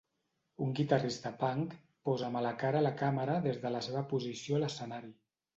Un guitarrista punk posa mala cara a la càmera des de la seva posició a l'escenari.